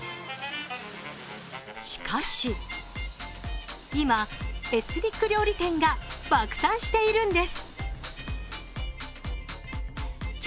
しかし、今エスニック料理店が爆誕しているんです。